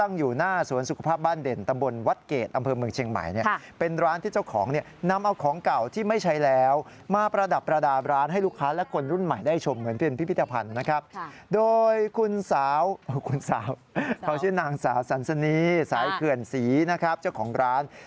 เขาชื่อนางสาวสันสนีสายเขื่อนศรีนะครับเจ้าของร้าน